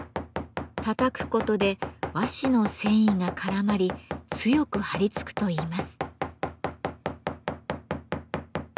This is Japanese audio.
たたくことで和紙の繊維が絡まり強く貼り付くといいます。